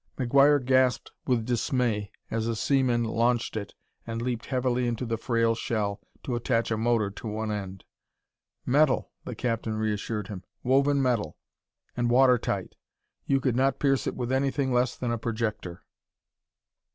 McGuire gasped with dismay as a seaman launched it and leaped heavily into the frail shell to attach a motor to one end. "Metal!" the captain reassured him; "woven metal, and water tight! You could not pierce it with anything less than a projector."